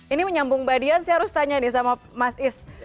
ini menyambung mbak dian saya harus tanya nih sama mas is